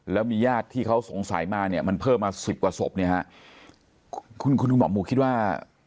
แล้วมีญาติที่เขาสงสัยมาเนี่ยมันเพิ่มมาสิบกว่าศพเนี่ยฮะคุณคุณคุณหมอหมูคิดว่า